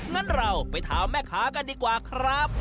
งั้นเราไปถามแม่ค้ากันดีกว่าครับ